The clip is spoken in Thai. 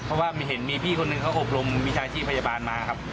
เพราะว่าเห็นมีพี่คนหนึ่งเขาอบรมวิชาชีพพยาบาลมาครับ